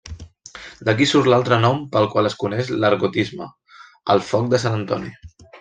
D'aquí surt l'altre nom pel qual es coneix l'ergotisme: el Foc de Sant Antoni.